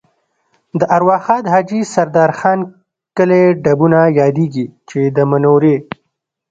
د ارواښاد حاجي سردار خان کلی ډبونه یادېږي چې د منورې